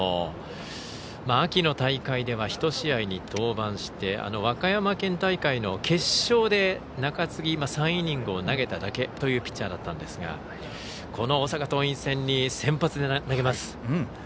秋の大会では１試合に登板して和歌山県大会の決勝で中継ぎ、３イニングを投げただけというピッチャーなんですが大阪桐蔭戦に先発で投げます。